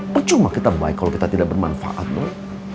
percuma kita baik kalau kita tidak bermanfaat boleh